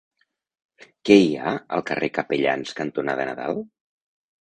Què hi ha al carrer Capellans cantonada Nadal?